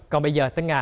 còn bây giờ tới nga